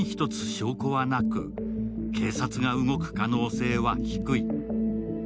証拠はなく、警察が動く可能性は低い。